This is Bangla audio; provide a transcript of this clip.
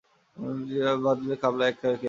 বাটতে দিলে এক খাবলায় সব খেয়ে ফেলবে যে!